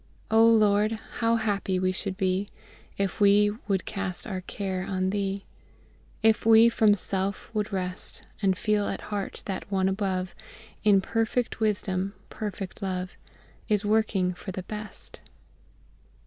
"O LORD, how happy should we be If we would cast our care on Thee, If we from self would rest; And feel at heart that One above, In perfect wisdom, perfect love, Is working for the best!"